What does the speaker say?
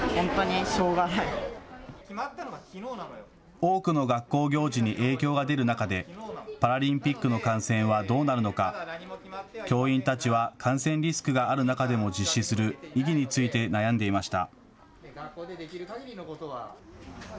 多くの学校行事に影響が出る中で、パラリンピックの観戦はどうなるのか、教員たちは感染リスクがある中でも実施する意義について悩んでいました。